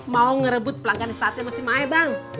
mau ngerebut pelanggan yang tati sama si mai bang